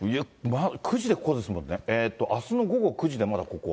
９時でここですもんね、えーっと、あすの午後９時でまだここ。